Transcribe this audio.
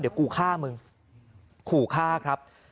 เดี๋ยวกูฆ่ามึงขู่ฆ่าครับ